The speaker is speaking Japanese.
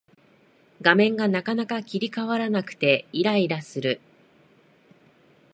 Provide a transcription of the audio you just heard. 画面がなかなか切り替わらなくてイライラする